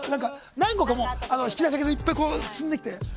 何個か、引き出し開けていっぱい積んできて。